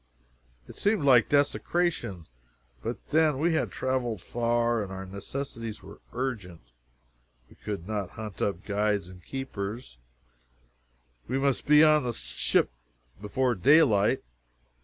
It seemed like desecration, but then we had traveled far, and our necessities were urgent. We could not hunt up guides and keepers we must be on the ship before daylight.